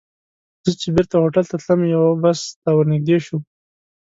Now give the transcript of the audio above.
زه چې بېرته هوټل ته تلم، یوه بس ته ور نږدې شوم.